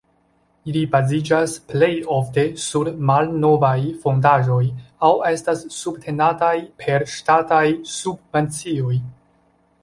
Ili baziĝas plejofte sur malnovaj fondaĵoj aŭ estas subtenataj per ŝtataj subvencioj.